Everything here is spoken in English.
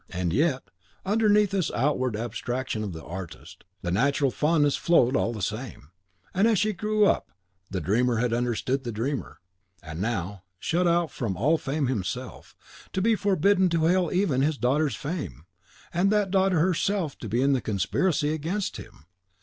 And yet, underneath this outward abstraction of the artist, the natural fondness flowed all the same; and as she grew up, the dreamer had understood the dreamer. And now, shut out from all fame himself; to be forbidden to hail even his daughter's fame! and that daughter herself to be in the conspiracy against him!